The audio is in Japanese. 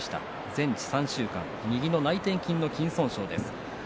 全治３週間右の内転筋の筋損傷です。